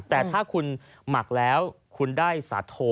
แต่ถ้าคุณหมักแล้วคุณได้สาโท